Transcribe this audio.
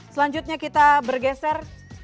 selanjutnya kita bergeser